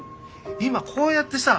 今こうやってさ